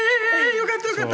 よかったよかった！